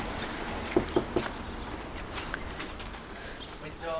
こんにちは。